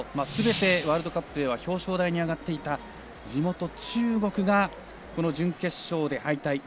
すべて、ワールドカップでは表彰台に上がっていた地元・中国が準決勝で敗退。